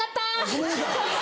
ごめんなさい。